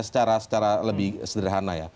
secara lebih sederhana ya